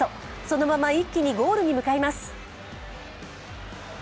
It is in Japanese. そのまま一気にゴールに向かいます。